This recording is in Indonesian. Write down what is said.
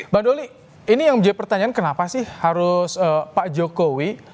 bang doli ini yang menjadi pertanyaan kenapa sih harus pak jokowi